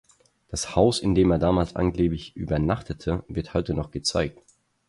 Das Haus, in dem er damals angeblich übernachtete, wird heute noch gezeigt.